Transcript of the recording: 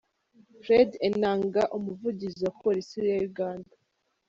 Fred Enanga, Umuvugizi wa Polisi ya Uganda.